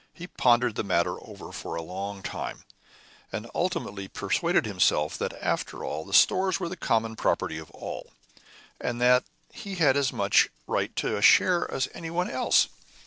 He pondered the matter over for a long time, and ultimately persuaded himself that, after all, the stores were the common property of all, and that he had as much right to a share as anyone else.